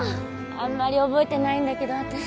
あんまり覚えてないんだけど私。